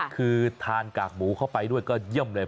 คือทานกากหมูเข้าไปด้วยก็เยี่ยมเลย